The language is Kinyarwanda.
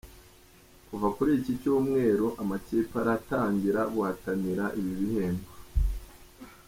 Kuva kuri iki cyumweru amakipe aratangira guhatanira ibi bihembo.